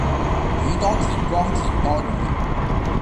宇多田光田多雨